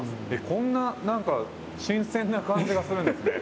こんな何か新鮮な感じがするんですね。